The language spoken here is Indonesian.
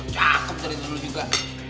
cakep dari dulu juga